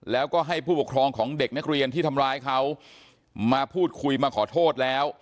แล้วก็ให้ผู้ปกครองของเด็กนักเรียนที่ทำร้ายเขามาพูดคุยมาขอโทษแล้ว